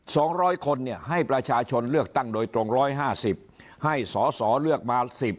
สองร้อยคนเนี่ยให้ประชาชนเลือกตั้งโดยตรงร้อยห้าสิบให้สอสอเลือกมาสิบ